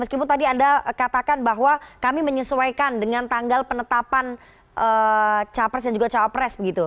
meskipun tadi anda katakan bahwa kami menyesuaikan dengan tanggal penetapan calon presiden dan juga calon presiden